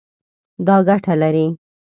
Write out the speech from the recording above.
دا ګټه لري